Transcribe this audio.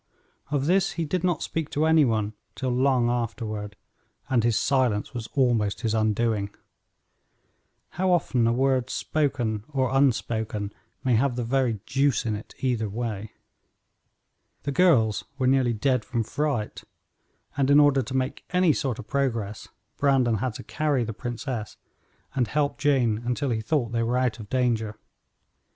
Of this he did not speak to any one till long afterward, and his silence was almost his undoing. How often a word spoken or unspoken may have the very deuce in it either way! The girls were nearly dead from fright, and in order to make any sort of progress Brandon had to carry the princess and help Jane until he thought they were out of danger.